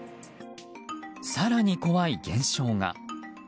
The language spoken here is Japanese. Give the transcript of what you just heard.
更に怖い現象が。